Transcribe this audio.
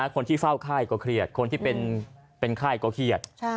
คนที่เฝ้าไข้ก็เครียดคนที่เป็นไข้ก็เครียด